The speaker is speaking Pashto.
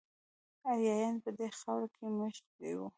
آریایان په دې خاوره کې میشت وو